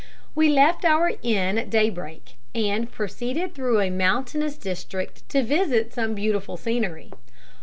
We left our inn at daybreak, and proceeded through a mountainous district to visit some beautiful scenery.